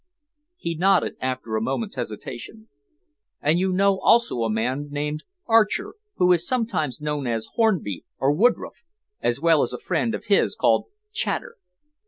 He nodded, after a moment's hesitation. "And you know also a man named Archer who is sometimes known as Hornby, or Woodroffe as well as a friend of his called Chater."